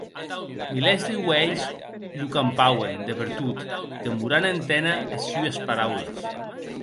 Milèrs de uelhs lo campauen de pertot, demorant enténer es sues paraules.